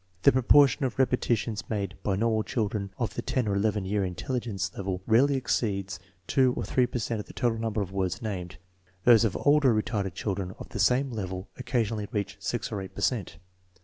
The proportion of repetitions made by normal children of the 10 or 11 year intelligence level rarely exceeds 2 or 3 per cent of the total number of words named; those of older retarded children of the same level occasionally reach 6 or 8 per cent.